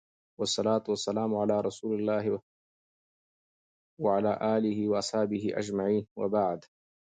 والصلوة والسلام على رسوله محمد وعلى اله واصحابه اجمعين وبعد